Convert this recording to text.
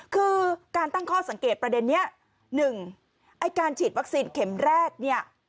คือการตั้งข้อสังเกตประเด็นนี้๑ไอ้การฉีดวัคซีนเข็มแรกเนี่ย